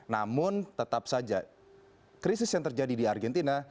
namun tetap saja krisis yang terjadi di argentina